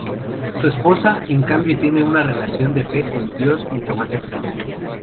Su esposa en cambio tiene una relación de fe con Dios mucho más cercana.